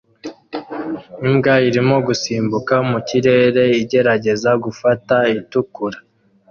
Imbwa irimo gusimbuka mu kirere igerageza gufata itukura